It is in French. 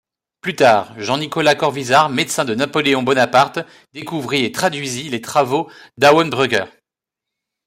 Plus tard, Jean-Nicolas Corvisart, médecin de Napoléon Bonaparte, découvrit et traduisit les travaux d’Auenbrugger.